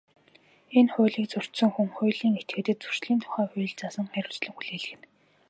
Энэ хуулийг зөрчсөн хүн, хуулийн этгээдэд Зөрчлийн тухай хуульд заасан хариуцлага хүлээлгэнэ.